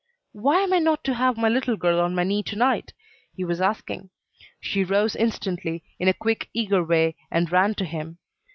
"Why am I not to have my little girl on my knee to night?" he was asking. She rose instantly, in a quick, eager way, and ran to him.